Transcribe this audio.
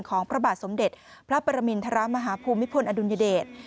พระบาทสมเด็จพระปรมินทรมาฮภูมิพลอดุลยเดช